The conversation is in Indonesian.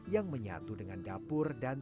yang menyatu dengan dapur dan